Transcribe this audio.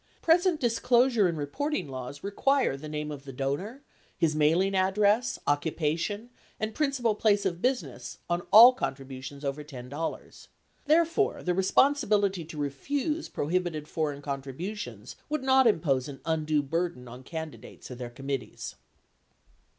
Present disclosure and re porting laws require the name of the donor, his mailing address, occu pation, and principal place of business on all contributions over $10. Therefore, the responsibility to refuse prohibited foreign contribu tions would not impose an undue burden on candidates or their committees.